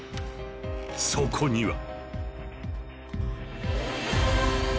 そこには。